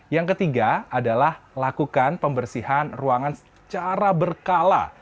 yang ketiga adalah lakukan pembersihan ruangan secara berkala